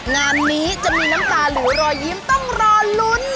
งานนี้จะมีน้ำตาหรือรอยยิ้มต้องรอลุ้น